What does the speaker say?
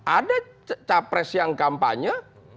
ada capres yang kampanye